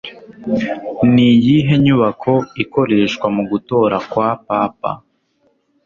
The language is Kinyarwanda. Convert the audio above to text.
Niyihe nyubako ikoreshwa mugutora kwa Papa?